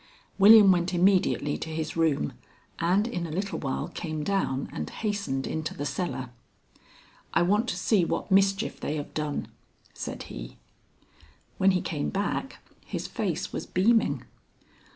William went immediately to his room, and in a little while came down and hastened into the cellar. "I want to see what mischief they have done," said he. When he came back, his face was beaming.